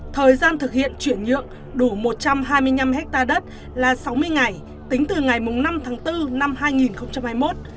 thời gian thực hiện chuyển nhượng đủ một trăm hai mươi năm hectare đất là sáu mươi ngày tính từ ngày năm tháng bốn năm hai nghìn hai mươi một